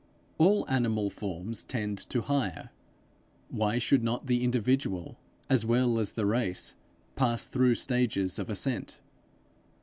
All animal forms tend to higher: why should not the individual, as well as the race, pass through stages of ascent.